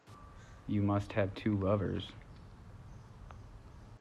You must have two lovers!